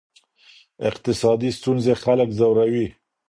اقتصادي ستونزې خلک ځوروي.